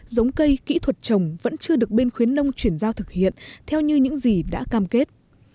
giống cây kỹ thuật trồng vẫn chưa được bên khuyến nông chuyển giao thực hiện theo như những gì đã cam kết